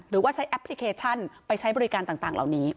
หรือว่าใช้แอปพลิเคชันไปใช้บริการต่างเหล่านี้